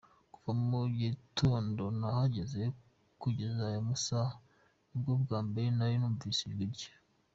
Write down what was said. Kuva mu gitondo nahagera kugeza ayo masaha nibwo bwa mbere nari numvise ijwi rye.